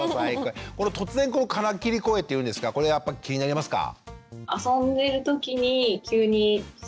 突然この金切り声っていうんですかこれやっぱ気になりますか？